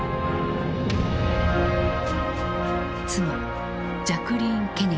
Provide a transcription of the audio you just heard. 妻ジャクリーン・ケネディ。